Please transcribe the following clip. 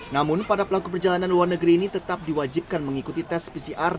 namun pada pelaku perjalanan luar negeri ini tetap diwajibkan mengikuti tes pcr